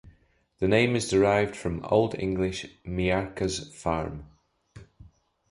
The name is derived from Old English "Mearca's Farm".